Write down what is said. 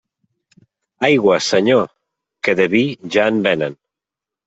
Aigua, Senyor, que de vi ja en venen.